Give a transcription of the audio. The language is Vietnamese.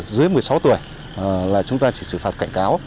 dưới một mươi sáu tuổi là chúng ta chỉ xử phạt cảnh cáo